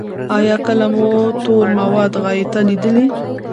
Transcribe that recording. ایا کله مو تور مواد غایطه لیدلي؟